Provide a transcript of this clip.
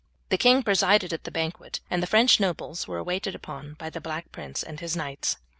The king presided at the banquet, and the French nobles were waited upon by the Black Prince and his knights.